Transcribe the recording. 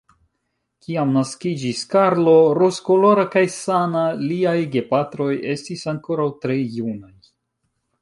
Kiam naskiĝis Karlo, rozkolora kaj sana, liaj gepatroj estis ankoraŭ tre junaj.